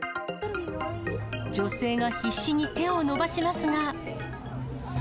女性が必死に手を伸ばしますが。